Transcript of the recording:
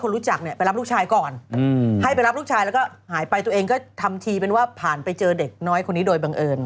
แล้วก็หายไปตัวเองก็ทำทีเป็นว่าผ่านไปเจอเด็กน้อยคนนี้โดยบังเอิญ